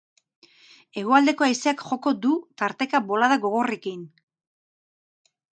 Hegoaldeko haizeak joko du, tarteka bolada gogorrekin.